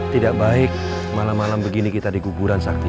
tidak baik malam malam begini kita di kuburan sakti